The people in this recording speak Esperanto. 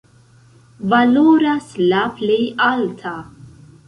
Valoras la plej alta.